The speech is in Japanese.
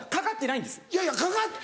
いやいやかかって。